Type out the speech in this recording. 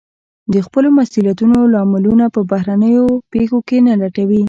د خپلو مسوليتونو لاملونه په بهرنيو پېښو کې نه لټوي.